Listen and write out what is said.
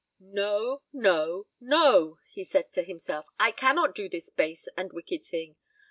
"No, no, no," he said to himself; "I cannot do this base and wicked thing.